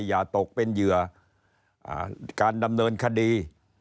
อย่าตกเป็นเหยื่อการดำเนินคดี